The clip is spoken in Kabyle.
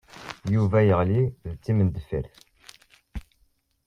Yuba yeɣli d timendeffirt.